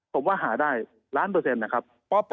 ผมว่าหาได้ล้านเปอร์เซ็นต์นะครับ